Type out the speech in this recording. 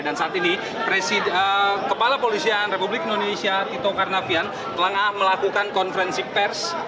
dan saat ini kepala polisian republik indonesia tito karnavian telah melakukan konferensi pers